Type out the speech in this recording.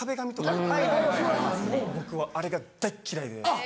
もう僕はあれが大嫌いで。